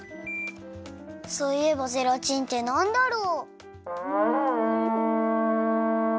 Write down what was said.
そういえばゼラチンってなんだろう？